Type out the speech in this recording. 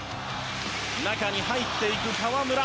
中に入っていく河村。